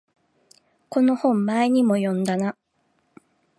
この本前にも読んだな